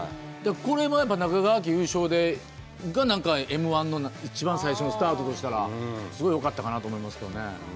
これはやっぱり、中川家優勝で、Ｍ−１の一番最初のスタートとしたら、すごいよかったかなと思いますけどね。